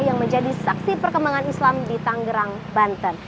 yang menjadi saksi perkembangan islam di tanggerang banten